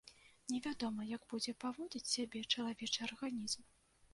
Невядома, як будзе паводзіць сябе чалавечы арганізм.